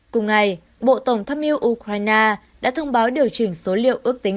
cùng ngày bộ tổng tham mưu ukraine đã thông báo điều chỉnh số liệu ước tính